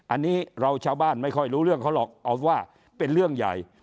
อันนี้เราชาวบ้านไม่ค่อยรู้เรื่องเขาหรอกเอาว่าเป็นเรื่องใหญ่